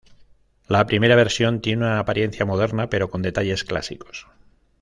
La primera versión tiene una apariencia moderna pero con detalles clásicos.